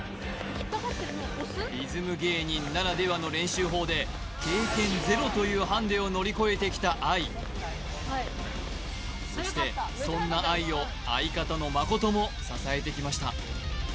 リズム芸人ならではの練習法でというハンデを乗り越えてきた愛そしてそんな愛を相方の誠も支えてきました